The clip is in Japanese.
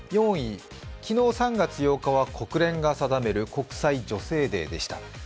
４位、昨日３月８日は国連が定める国際女性デーでした。